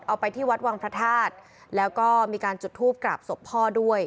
ไปที่วัดวังพระธาตุแล้วก็มีการจุดทูปกราบศพพ่อด้วย